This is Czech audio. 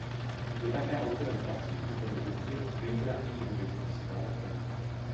Je také autorem prací v oboru hudby a biografií hudebních skladatelů.